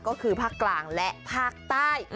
ก็คือภาคกลางและภาคใต้